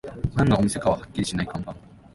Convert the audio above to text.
何のお店かはっきりしない看板